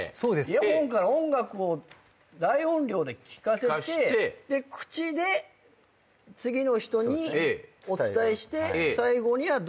イヤホンから音楽を大音量で聞かせて口で次の人にお伝えして最後にはどういうふうに。